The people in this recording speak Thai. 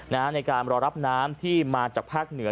ในการรอรับน้ำที่มาจากภาคเหนือ